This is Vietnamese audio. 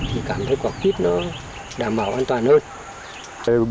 thì cảm thấy quả kiếp nó đảm bảo an toàn hơn